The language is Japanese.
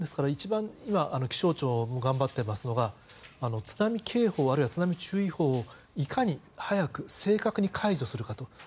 一番、気象庁も頑張っていますのが津波警報あるいは津波注意報をいかに早く正確に解除するかと。